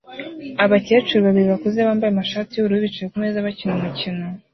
Abakecuru babiri bakuze bambaye amashati yubururu bicaye kumeza bakina umukino